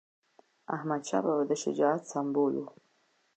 احمدشاه بابا د شجاعت سمبول و.